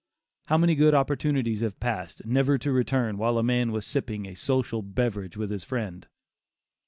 How many good opportunities have passed, never to return, while a man was sipping a "social glass," with his friend!